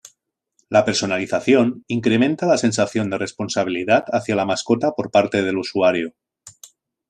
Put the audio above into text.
La personalización incrementa la sensación de responsabilidad hacia la mascota por parte del usuario.